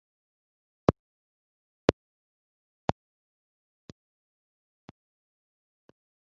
twahoranye Urugerero umunsiva kera